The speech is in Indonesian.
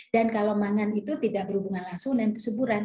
dan kalau mangan itu tidak berhubungan langsung dengan kesuburan